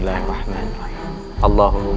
jangan ada yang minum